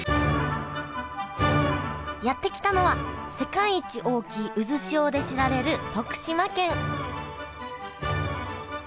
やって来たのは世界一大きい渦潮で知られる徳島県